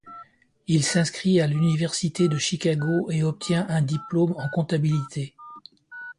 Il s'inscrit à l'Université de Chicago et obtient un diplôme en comptabilité.